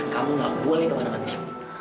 kamu nggak boleh kemana mana